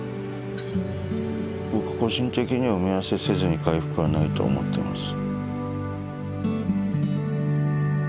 僕個人的には埋め合わせせずに回復はないと思ってます。